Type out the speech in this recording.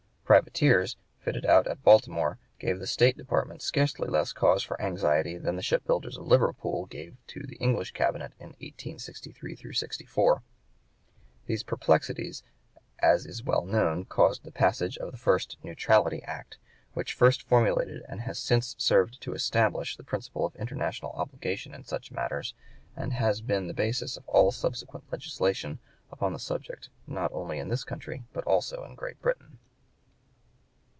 Privateers fitted out at Baltimore gave the State Department scarcely less cause for anxiety than the shipbuilders of Liverpool gave to the English Cabinet in 1863 64. These perplexities, as is well known, caused the passage of the first "Neutrality Act," which first formulated and has since served to establish the principle of international obligation in such matters, and has been the basis of all subsequent legislation upon the subject not only in this country but also in Great Britain.